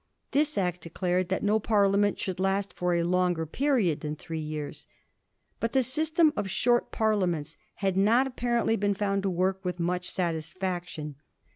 This Act declared that no parlia ment should last for a longer period than three years* But the system of short parliaments had not appa rently been found to work with much satisfaction.